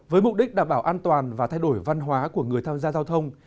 với mục đích đảm bảo an toàn và thay đổi văn hóa của người tham gia giao thông